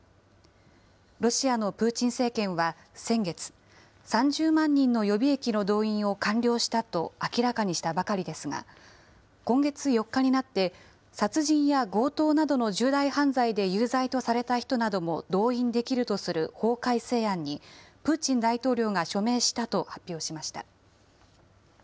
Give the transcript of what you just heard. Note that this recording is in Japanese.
ロシアのプーチン政権は先月、３０万人の予備役の動員を完了したと明らかにしたばかりですが、今月４日になって、殺人や強盗などの重大犯罪で有罪とされた人なども動員できるとする法改正案に、プーチン大統領が署名したと発表しました。